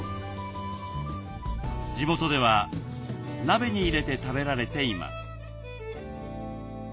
地元では鍋に入れて食べられています。